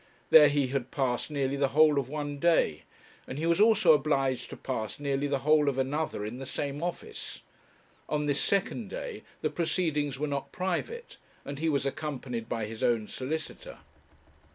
There he had passed nearly the whole of one day; and he was also obliged to pass nearly the whole of another in the same office. On this second day the proceedings were not private, and he was accompanied by his own solicitor.